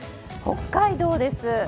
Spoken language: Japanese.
北海道です。